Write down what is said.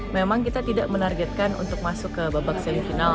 memang kita tidak menargetkan untuk masuk ke babak semifinal